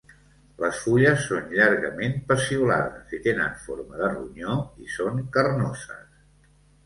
Les fulles són llargament peciolades i tenen forma de ronyó i són carnoses.